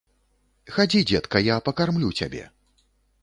Хадзі, дзетка, я пакармлю цябе.